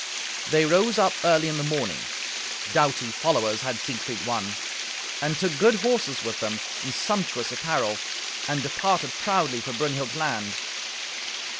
They rose up early in the morning (doughty followers had Siegfried won!), and took good horses with them, and sumptuous apparel, and departed proudly for Brunhild's land.